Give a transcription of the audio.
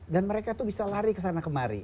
dan mereka itu bisa lari kesana kemari